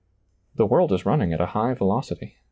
The world is running at a high velocity.